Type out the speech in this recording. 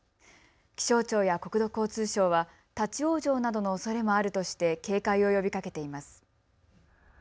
気象庁や国土交通省は立往生などのおそれもあるとして警戒を呼びかけています。